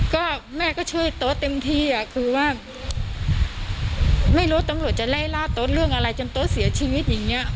ก็แม่ก็ช่วยโต๊ะเต็มที่อ่ะคือว่าไม่รู้ตำรวจจะไล่ล่าโต๊ะเรื่องอะไรจนโต๊ะเสียชีวิตอย่างเงี้